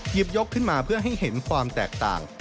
ยกขึ้นมาเพื่อให้เห็นความแตกต่าง